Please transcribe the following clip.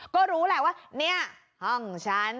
ก็รู้แหละว่าเนี่ยห้องฉัน